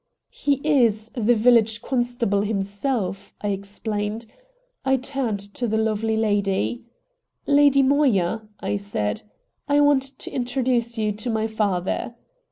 "He is the village constable himself," I explained. I turned to the lovely lady. "Lady Moya," I said, "I want to introduce you to my father!"